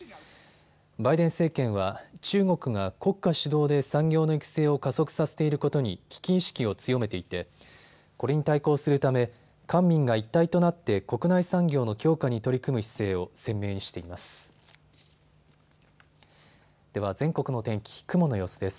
バイデン政権は中国が国家主導で産業の育成を加速させていることに危機意識を強めていてこれに対抗するため官民が一体となって国内産業の強化に取り組む姿勢を鮮明にしています。